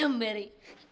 aku mau pergi